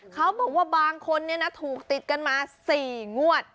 เขาบอกว่าบางคนเนี่ยนะถูกติดกันมาสี่งวด